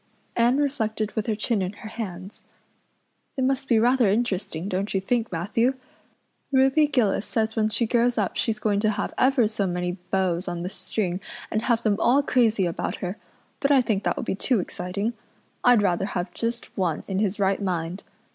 Anne reflected with her chin in her hands. "It must be rather interesting, don't you think, Matthew? Ruby Gillis says when she grows up she's going to have ever so many beaus on the string and have them all crazy about her; but I think that would be too exciting. I'd rather have just one in his right mind.